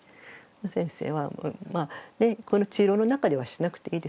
先生はこの治療の中ではしなくていいですよって。